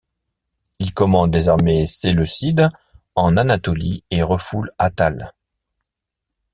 Il commande les armées séleucides en Anatolie et refoule Attale.